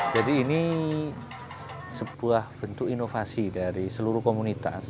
ini sebuah bentuk inovasi dari seluruh komunitas